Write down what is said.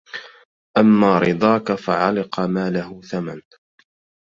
أما رضاك فعلق ما له ثمن